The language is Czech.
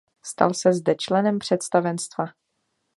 Stal se zde členem představenstva.